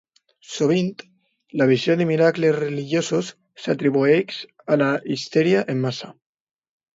Sovint, la visió de miracles religiosos s'atribueix a la histèria en massa.